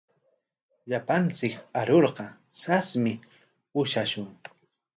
Llapanchik arurqa sasmi ushashun.